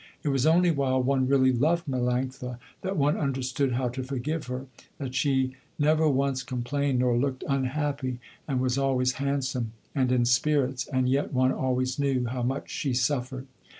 It was only while one really loved Melanctha that one understood how to forgive her, that she never once complained nor looked unhappy, and was always handsome and in spirits, and yet one always knew how much she suffered.